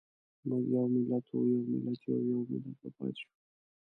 موږ یو ملت وو، یو ملت یو او يو ملت به پاتې شو.